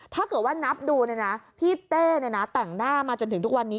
ถ้าเกิดว่านับดูพี่เต้แต่งหน้ามาจนถึงทุกวันนี้